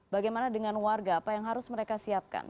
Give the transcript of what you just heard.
bagaimana dengan warga apa yang harus mereka siapkan